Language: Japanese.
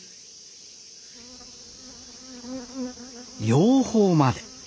養蜂まで。